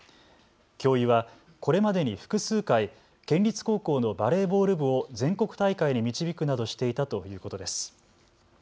教諭はこれまでに複数回県立高校のバレーボール部を全国大会に導くなどしていたということです。